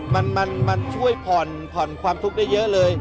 มันช่วยผ่อนผ่อนความทุกข์ได้เยอะเลย